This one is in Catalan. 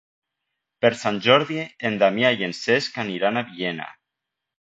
Per Sant Jordi en Damià i en Cesc aniran a Villena.